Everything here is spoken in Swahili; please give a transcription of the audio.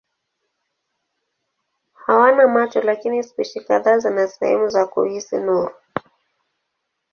Hawana macho lakini spishi kadhaa zina sehemu za kuhisi nuru.